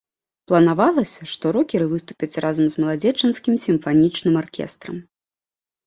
Планавалася, што рокеры выступяць разам з маладзечанскім сімфанічным аркестрам.